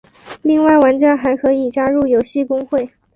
另外玩家还可以加入游戏公会。